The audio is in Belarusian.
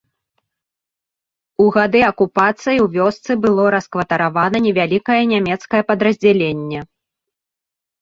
У гады акупацыі ў вёсцы было раскватаравана невялікае нямецкае падраздзяленне.